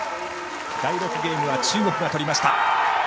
第６ゲームは中国がとりました。